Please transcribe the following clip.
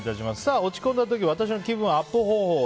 落ち込んだ時私の気分アップ方法。